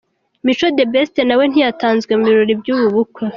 Mico The Best nawe ntiyatanzwe mu birori by'ubu bukwe.